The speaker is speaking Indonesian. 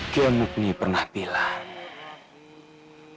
kiamukni pernah bilang